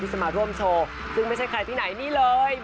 จะมาร่วมโชว์ซึ่งไม่ใช่ใครที่ไหนนี่เลย